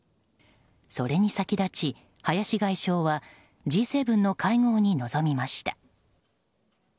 それに先立ち林外相はＧ７の会合に臨みました。